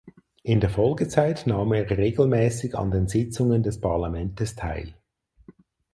In der Folgezeit nahm er regelmäßig an den Sitzungen des Parlamentes teil.